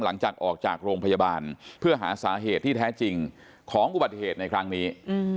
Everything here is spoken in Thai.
หลังจากออกจากโรงพยาบาลเพื่อหาสาเหตุที่แท้จริงของอุบัติเหตุในครั้งนี้